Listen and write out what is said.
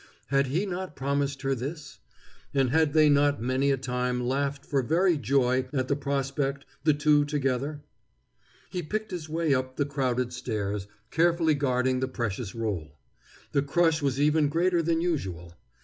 Had he not promised her this? And had they not many a time laughed for very joy at the prospect, the two together? He picked his way up the crowded stairs, carefully guarding the precious roll. The crush was even greater than usual.